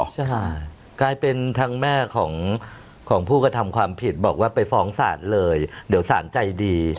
ใช่ค่ะกลายเป็นทางแม่ของผู้กระทำความผิดบอกว่าไปฟ้องศาลเลยเดี๋ยวสารใจดี